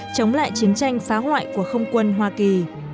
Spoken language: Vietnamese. chống lại chiến tranh phá hoại của không quân hoa kỳ